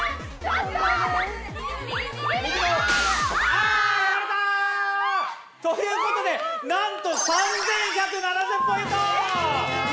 右右右。ということでなんと３１７０ポイント！